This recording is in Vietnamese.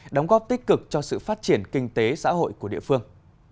đóng góp tích cực cho sự phát triển kinh tế xã hội của địa phương